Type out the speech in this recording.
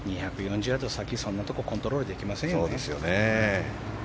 ２４０ヤード先そんなところコントロールできませんよね。